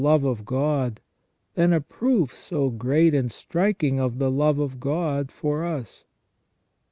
love of God than a proof so great and striking of the love of God for us